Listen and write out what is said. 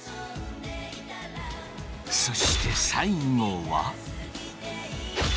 そして最後は。